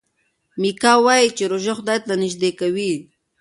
میکا وايي چې روژه خدای ته نژدې کوي.